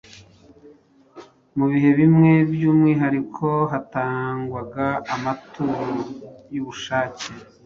Mu bihe bimwe by’umwihariko hatangwaga amaturo y’ubushake.